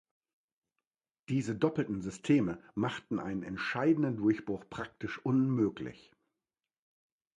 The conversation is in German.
Diese doppelten Systeme machten einen entscheidenden Durchbruch praktisch unmöglich.